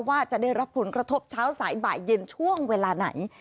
ว่าจะได้รับผลกระทบเช้าสายบ่ายเย็นช่วงเวลาไหน